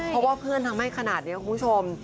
เพราะว่าเพื่อนทำให้ขนาดนี้คุณผู้ชม